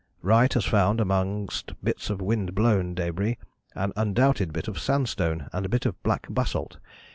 Wright has found, amongst bits of wind blown débris, an undoubted bit of sandstone and a bit of black basalt.